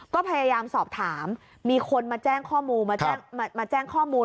ก็พยายามสอบถามมีคนมาแจ้งข้อมูล